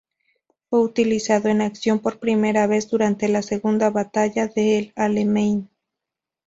Fue utilizado en acción por primera vez durante la Segunda Batalla de El Alamein.